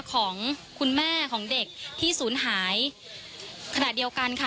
ของคุณแม่ของเด็กที่ศูนย์หายขณะเดียวกันค่ะ